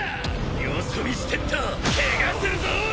よそ見してっとケガするぞ！